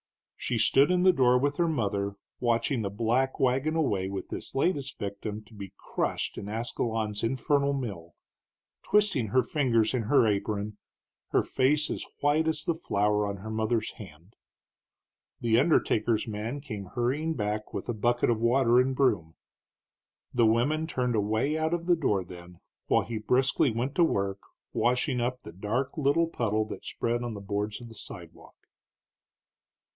She stood in the door with her mother, watching the black wagon away with this latest victim to be crushed in Ascalon's infernal mill, twisting her fingers in her apron, her face as white as the flour on her mother's hands. The undertaker's man came hurrying back with a bucket of water and broom. The women turned away out of the door then, while he briskly went to work washing up the dark little puddle that spread on the boards of the sidewalk.